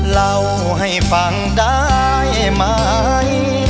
เล่าให้ฟังได้ไหม